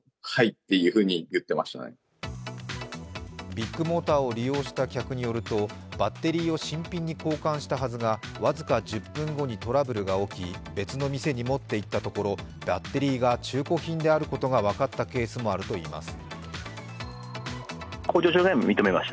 ビッグモーターを利用した客によると、バッテリーを新品に交換したはずが僅か１０分後にトラブルが起き、別の店に持っていったところ、バッテリーが中古品であったことが分かったケースもあるといいます。